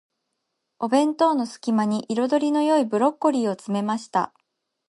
お弁当の隙間に、彩りの良いブロッコリーを詰めました。